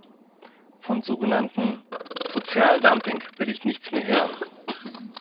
Vom so genannten Sozialdumping will ich nichts mehr hören.